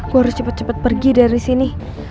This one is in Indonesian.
gue harus cepet cepet pergi dari sini